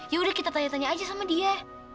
ya udah kita tanya tanya aja sama dia